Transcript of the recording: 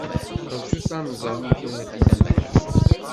Rjut ad nẓer amek ara tili lḥala.